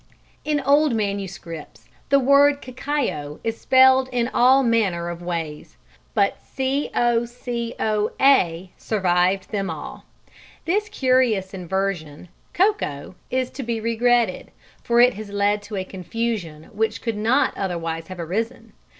_ In old manuscripts the word cacao is spelled in all manner of ways, but cocoa survived them all. This curious inversion, cocoa, is to be regretted, for it has led to a confusion which could not otherwise have arisen.